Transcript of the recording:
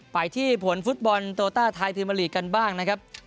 ไปที่ผลฟุตบอลโต้ต้าไทยธิมารีกันบ้างนะครับ